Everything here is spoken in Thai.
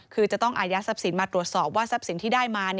คือจะต้องอายัดทรัพย์สินมาตรวจสอบว่าทรัพย์สินที่ได้มา